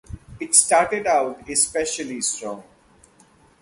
It started out especially strong.